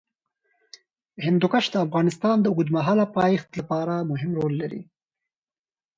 هندوکش د افغانستان د اوږدمهاله پایښت لپاره مهم رول لري.